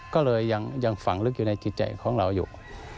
ก็เลยยังฝังลึกอยู่ในจิตใจของเราอยู่